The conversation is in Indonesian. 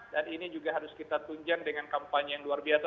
dan ini juga harus kita tunjang dengan kampanye yang luar biasa